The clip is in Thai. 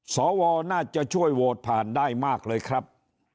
สวน่าจะช่วยโหวตผ่านได้มากเลยครับ